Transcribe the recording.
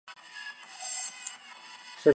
据说宋孝宗读该书后大悦。